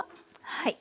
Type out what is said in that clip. はい。